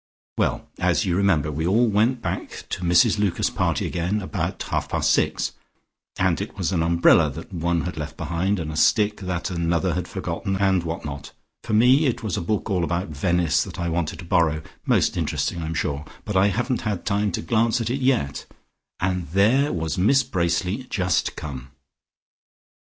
Well as you may remember, we all went back to Mrs Lucas's party again about half past six, and it was an umbrella that one had left behind, and a stick that another had forgotten, and what not, for me it was a book all about Venice, that I wanted to borrow, most interesting I am sure, but I haven't had time to glance at it yet, and there was Miss Bracely just come!"